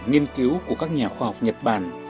nghiên cứu của các nhà khoa học nhật bản